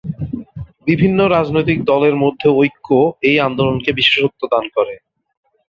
বিভিন্ন রাজনৈতিক দলের মধ্যে ঐক্য এই আন্দোলনকে বিশেষত্ব দান করে।